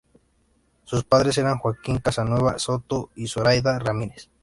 Sus padres eran Joaquín Casanueva Soto y Zoraida Ramírez Díaz.